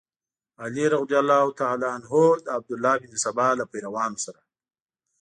علي رض د عبدالله بن سبا له پیروانو سره.